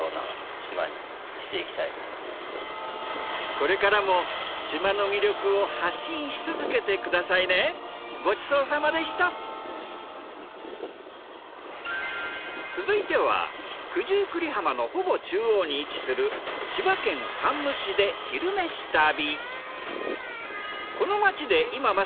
これからも続いては九十九里浜のほぼ中央に位置する千葉県山武市で「昼めし旅」。